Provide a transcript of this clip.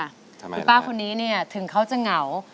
คุณป้าคนนี้เนี่ยถึงเขาจะเหงา